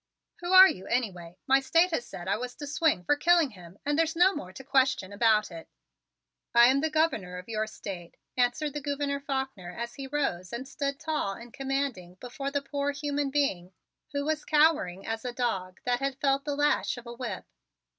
"Who are you anyway? My State has said I was to swing for killing him and there's no more to question about it." "I am the Governor of your State," answered that Gouverneur Faulkner as he rose and stood tall and commanding before the poor human being who was cowering as a dog that had felt the lash of a whip.